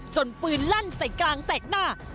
ปืนลั่นใส่กลางแสกหน้า